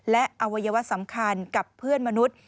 และอวัยวะสำคัญกับเพื่อนมนุษย์